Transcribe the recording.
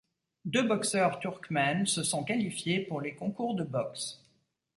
Deux boxeurs turkmènes se sont qualifiés pour les concours de boxe.